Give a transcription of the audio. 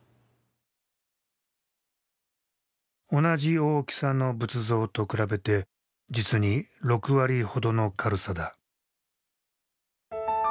同じ大きさの仏像と比べて実に６割ほどの軽さだ。